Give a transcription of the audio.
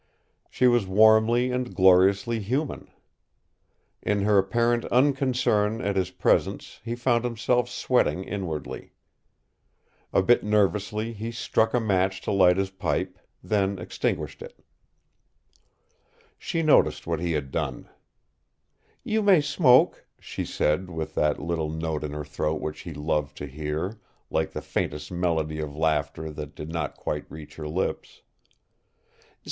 She was warmly and gloriously human. In her apparent unconcern at his presence he found himself sweating inwardly. A bit nervously he struck a match to light his pipe, then extinguished it. She noticed what he had done. "You may smoke," she said, with that little note in her throat which he loved to hear, like the faintest melody of laughter that did not quite reach her lips. "St.